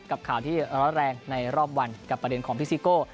กับข่าวที่ร้อนแรงในรอบวันกับประเด็นของพี่ซิโก้